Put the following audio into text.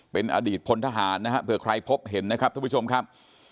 เป็นอดีตพลทหารนะฮะเผื่อใครพบเห็นนะครับท่านผู้ชมครับ